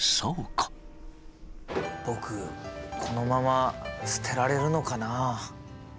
僕このまま捨てられるのかな。